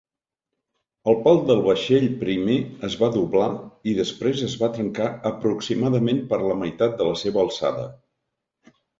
El pal del vaixell primer es va doblar i després es va trencar aproximadament per la meitat de la seva alçada.